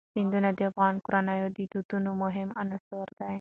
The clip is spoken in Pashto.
سیندونه د افغان کورنیو د دودونو مهم عنصر دی.